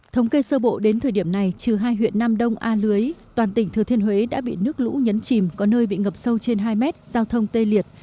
thống kê sơ bộ đến thời điểm này trừ hai huyện nam đông a lưới toàn tỉnh thừa thiên huế đã bị nước lũ nhấn chìm có nơi bị ngập sâu trên hai mét giao thông tê liệt